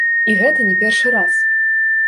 І гэта не першы раз!